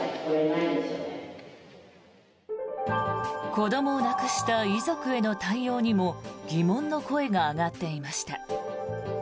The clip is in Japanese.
子どもを亡くした遺族への対応にも疑問の声が上がっていました。